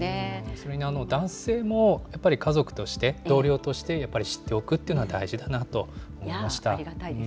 それに男性も、やっぱり家族として、同僚として、やっぱり知っておくっていうのは大事だなと思いました。